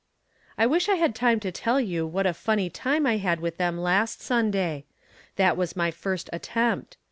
I Avish I had time to tell you what a funny time I had with them last Sunday. That was my first attempt.